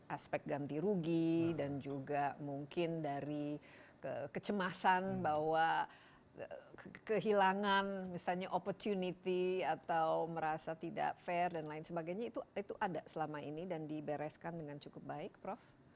aspek ganti rugi dan juga mungkin dari kecemasan bahwa kehilangan misalnya opportunity atau merasa tidak fair dan lain sebagainya itu ada selama ini dan dibereskan dengan cukup baik prof